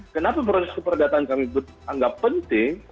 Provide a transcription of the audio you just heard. kenapa proses keperdataan kami anggap penting